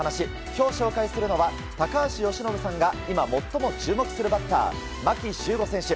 今日紹介するのは高橋由伸さんが今、最も注目するバッター牧秀悟選手